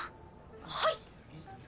はい。